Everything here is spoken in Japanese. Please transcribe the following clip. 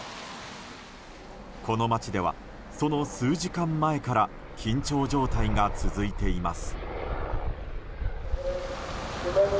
この町では、その数時間前から緊張状態が続いています。